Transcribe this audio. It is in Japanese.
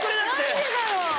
何でだろう？